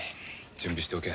準備しておけ。